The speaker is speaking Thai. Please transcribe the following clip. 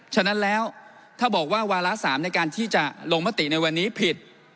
ฉะนั้นแล้วถ้าบอกว่าวาระ๓ในการที่จะลงมติในวันนี้ผิด